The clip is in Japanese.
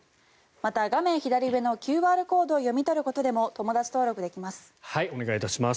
また、画面左上のＱＲコードを読み取ることでもお願いいたします。